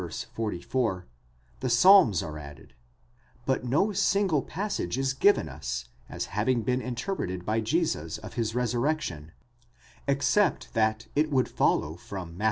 44) the psalms are added ; but no single passage is given us as having been interpreted by Jesus of his resurrection, except that it would follow from Matt.